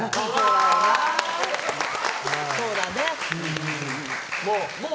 そうだね。